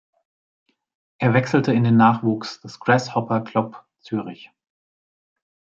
Er wechselte in den Nachwuchs des Grasshopper Club Zürich.